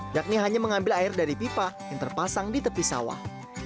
yakni hanya mengambil air dari pipa yang terpasang di tepi sawah